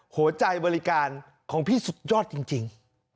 หัวใจบริการของพี่สุดยอดจริง